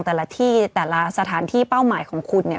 แต่ละที่แต่ละสถานที่เป้าหมายของคุณเนี่ย